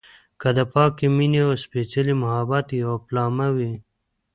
که د پاکې مينې او سپیڅلي محبت يوه پيلامه وي.